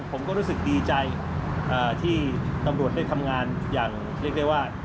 ผมก็รู้สึกดีใจที่ตำรวจได้ทำงานอย่างเรียกได้ว่า